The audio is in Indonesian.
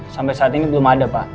sampai saat ini belum ada pak